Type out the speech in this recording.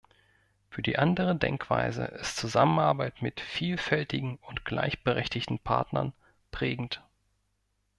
Für die andere Denkweise ist Zusammenarbeit mit vielfältigen und gleichberechtigten Partnern prägend.